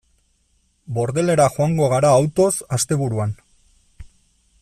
Bordelera joango gara autoz asteburuan.